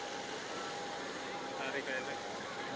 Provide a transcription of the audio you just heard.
dan dengan suktor daya pembasaran ban intgesi indonesia